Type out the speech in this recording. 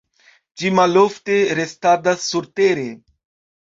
Ĝi malofte restadas surtere.